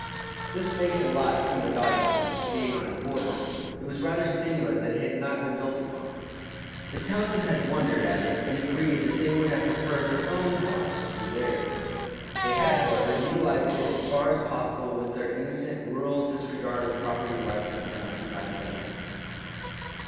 This vacant lot seemed a valuable one, being on a corner. It was rather singular that it had not been built upon. The Townsends had wondered at it and agreed that they would have preferred their own house to be there. They had, however, utilized it as far as possible with their innocent, rural disregard of property rights in unoccupied land.